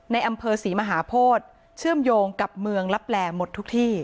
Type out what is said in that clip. ในอำเภอศรีมหาโพธิเชื่อมโยงกับเมืองลับแลหมดทุกที่